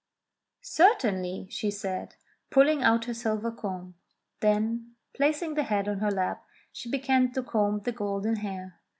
"Certainly," she said, pulling out her silver comb. Then, placing the head on her lap, she began to comb the golden hair.